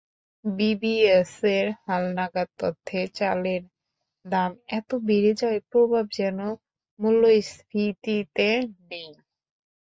বিবিএসের হালনাগাদ তথ্যে চালের দাম এত বেড়ে যাওয়ার প্রভাব যেন মূল্যস্ফীতিতে নেই।